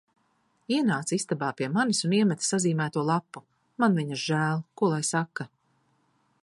Ienāca istabā pie manis un iemeta sazīmēto lapu. Man viņas žēl, ko lai saka.